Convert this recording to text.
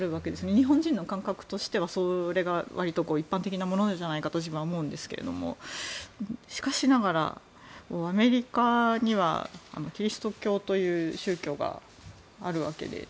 日本人の感覚としてはそれが一般的なものなんじゃないかと自分は思うんですがしかしながらアメリカにはキリスト教という宗教があるわけで。